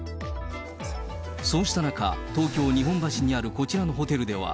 そうした中、東京・日本橋にあるこちらのホテルでは。